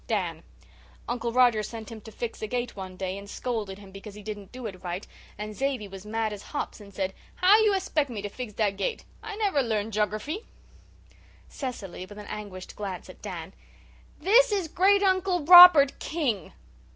DAN: "Uncle Roger sent him to fix a gate one day and scolded him because he didn't do it right, and Xavy was mad as hops and said 'How you 'spect me to fix dat gate? I never learned jogerfy.'" CECILY, WITH AN ANGUISHED GLANCE AT DAN: "This is Great uncle Robert King."